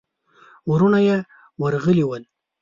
وروڼه يې ورغلي ول.